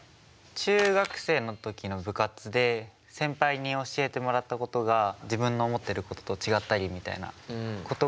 中学生の時の部活で先輩に教えてもらったことが自分の思ってることと違ったりみたいなことが何回かありましたね。